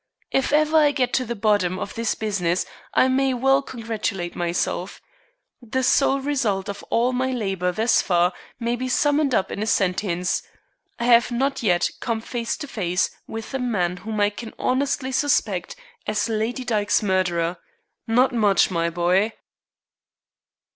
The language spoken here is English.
If ever I get to the bottom of this business I may well congratulate myself. The sole result of all my labor thus far may be summed up in a sentence I have not yet come face to face with the man whom I can honestly suspect as Lady Dyke's murderer. Not much, my boy!"